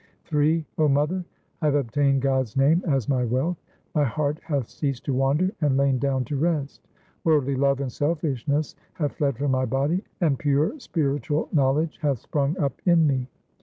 Ill 0 mother, I have obtained God's name as my wealth ; My heart hath ceased to wander and lain down to rest. Worldly love and selfishness have fled from my body, and pure spiritual knowledge hath sprung up in me.